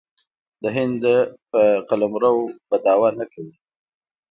د هند په قلمرو به دعوه نه کوي.